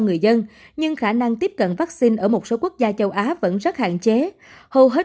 người dân nhưng khả năng tiếp cận vaccine ở một số quốc gia châu á vẫn rất hạn chế hầu hết